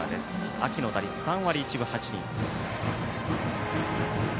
秋の打率は３割１分８厘。